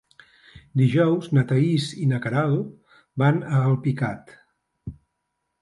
Dijous na Thaís i na Queralt van a Alpicat.